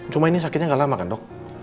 cuma ini sakitnya gak lama kan dok